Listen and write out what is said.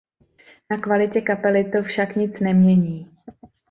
Na kvalitě kapely to však nic nemění.